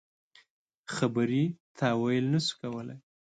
خبرې تاویل نه شو کولای.